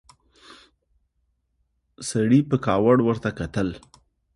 سړي په کاوړ ورته وکتل.